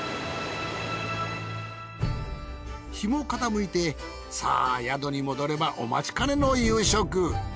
日も傾いてさあ宿に戻ればお待ちかねの夕食。